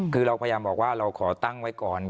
คือเราพยายามบอกว่าเราขอตั้งไว้ก่อน